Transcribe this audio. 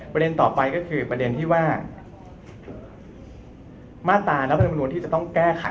ประเด็นต่อไปก็คือประเด็นที่ว่ามาตรารัฐธรรมนุนที่จะต้องแก้ไข